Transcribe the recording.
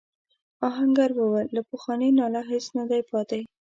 آهنګر وویل له پخواني ناله هیڅ نه دی پاتې.